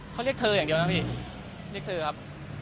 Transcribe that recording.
เขาเรียกแฟนแฟนเขาเรียกเขาว่าอะไรชื่อเล่น